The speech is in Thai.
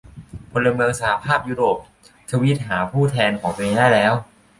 พลเมืองสหภาพยุโรป ทวีตหาผู้แทนของตัวเองได้แล้ว